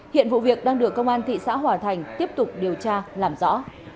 hiện vụ việc đang được công an thị xã hòa thành tiếp tục điều tra làm rõ